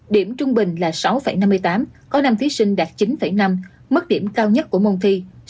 điểm trung bình là sáu năm mươi tám có năm thí sinh đạt chín năm mức điểm cao nhất của môn thi